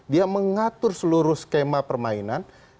dia mengatur seluruh skema permainan